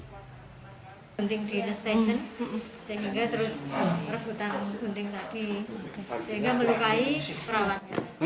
gunting di stesen sehingga terus rebutan gunting lagi sehingga melukai perawat